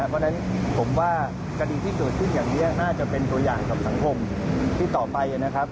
เพราะฉะนั้นผมว่าคดีที่เกิดขึ้นอย่างนี้น่าจะเป็นตัวอย่างกับสังคมที่ต่อไปนะครับ